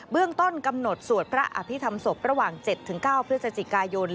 เรื่องต้นกำหนดสวดพระอภิษฐรรมศพระหว่าง๗๙พฤศจิกายน